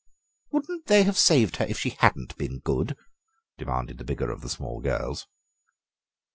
"Wouldn't they have saved her if she hadn't been good?" demanded the bigger of the small girls.